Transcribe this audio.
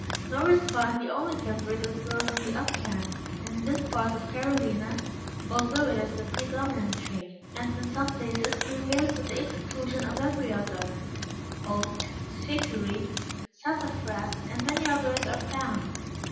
Nor is pine the only timber that grows on the uplands, in this part of Carolina, although it is the predominant tree, and in some places prevails to the exclusion of every other oak, hickory, sassafras, and many others are found.